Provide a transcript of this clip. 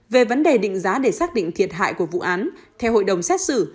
về vấn đề định giá để xác định thiệt hại của vụ án theo hội đồng xét xử